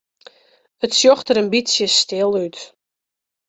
It sjocht der in bytsje stil út.